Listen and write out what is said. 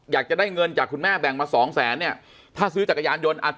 อยากจะได้เงินจากคุณแม่แบ่งมาสองแสนเนี่ยถ้าซื้อจักรยานยนต์อ่ะ